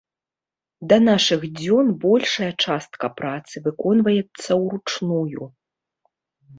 Да нашых дзён большая частка працы выконваецца ўручную.